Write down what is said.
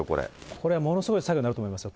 これはものすごい作業になると思いますよ。